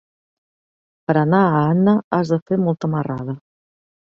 Per anar a Anna has de fer molta marrada.